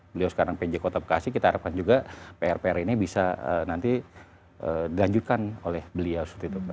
beliau sekarang pj kota bekasi kita harapkan juga pr pr ini bisa nanti dilanjutkan oleh beliau